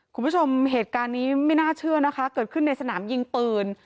คุณผู้ชมเหตุการณ์นี้ไม่น่าเชื่อนะคะเกิดขึ้นในสนามยิงปืน